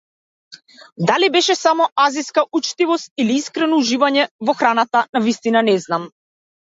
Дали беше само азиска учтивост или искрено уживање во храната навистина не знам.